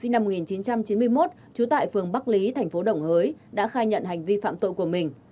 sinh năm một nghìn chín trăm chín mươi một trú tại phường bắc lý thành phố đồng hới đã khai nhận hành vi phạm tội của mình